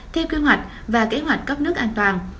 theo kế hoạch và kế hoạch cấp nước an toàn